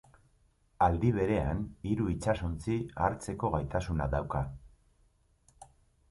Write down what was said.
Aldi berean hiru itsasontzi hartzeko gaitasuna dauka.